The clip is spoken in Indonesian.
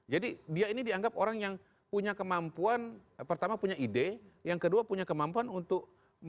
jadi dia ini dianggap orang yang punya kemampuan pertama punya ide yang kedua punya kemampuan untuk